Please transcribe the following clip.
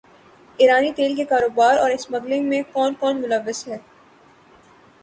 ایرانی تیل کے کاروبار اور اسمگلنگ میں کون کون ملوث ہے